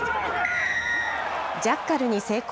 ジャッカルに成功。